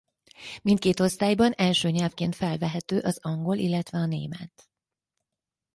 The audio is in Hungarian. Mindkét osztályban első nyelvként felvehető az angol illetve a német.